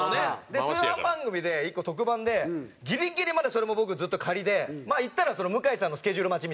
で通販番組で１個特番でギリギリまでそれも僕ずっとでまあいったら向井さんのスケジュール待ちみたいな。